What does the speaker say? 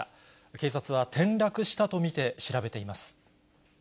警察は転落したと見て調べています。